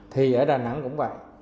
thì ở đà nẵng cũng vậy